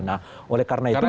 nah oleh karena itu